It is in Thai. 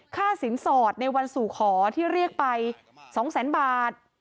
ค่าสินสอดในวันสู่ขอที่เรียกไป๒แสนบาท